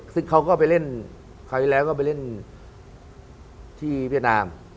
ซึ่งเขาก็ไปเล่นคราวที่แล้วก็ไปเล่นที่เวียดนาม